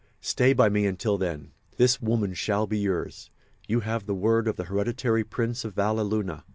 Stay by me until then. This woman shall be yours. You have the word of the hereditary Prince of Valleluna.